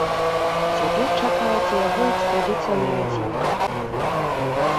Цяпер чакаецца яго экстрадыцыя на радзіму.